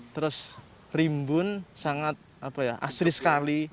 terus perimbun sangat asli sekali